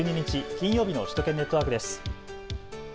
金曜日の首都圏ネットワークです。